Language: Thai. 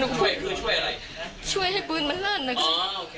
ช่วยคือช่วยอะไรช่วยให้ปืนมาลั่นนะอ๋อโอเค